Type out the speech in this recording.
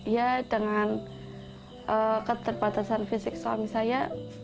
ya dengan keterbatasan fisik suami saya